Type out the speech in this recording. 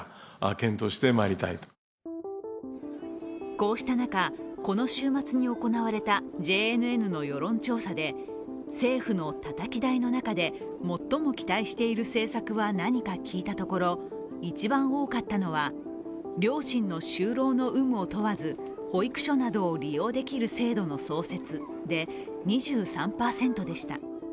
こうした中、この週末に行われたＪＮＮの世論調査で政府のたたき台の中で最も期待している政策は何か聞いたところ一番多かったのは両親の就労の有無を問わず保育園を利用できる制度の創設で、２３％でした。